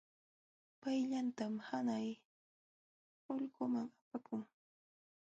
Payllaytam hanay ulquman apakun.